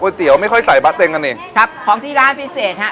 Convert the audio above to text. เตี๋ยวไม่ค่อยใส่บาเต็งกันนี่ครับของที่ร้านพิเศษฮะ